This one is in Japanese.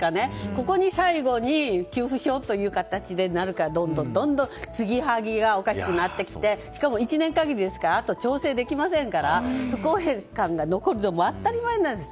ここに最後に給付しようという形になるからどんどんつぎはぎがおかしくなってきてしかも１年限りですからあとは調整できませんから不公平感が残るのも当たり前なんです。